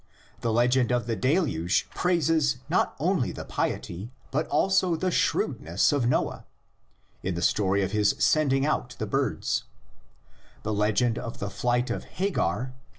The legend of the Deluge praises not only the piety, but also the shrewdness, of Noah (in the story of his sending out the birds); the legend of the flight of Hagar (xvi.)